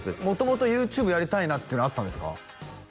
もともとＹｏｕＴｕｂｅやりたいなっていうのはあったんですか？